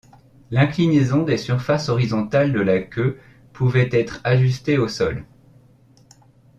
L'inclinaison des surfaces horizontales de la queue pouvait être ajustée au sol.